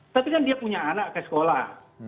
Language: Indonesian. tapi kan dia punya anak ke sekolah